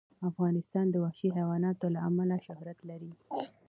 افغانستان د وحشي حیوانات له امله شهرت لري.